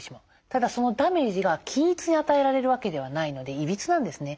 ただそのダメージが均一に与えられるわけではないのでいびつなんですね。